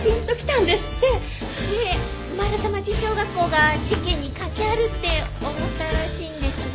で丸太町小学校が事件に関係あるって思ったらしいんですが。